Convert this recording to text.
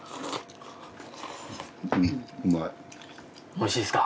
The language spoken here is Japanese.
おいしいですか？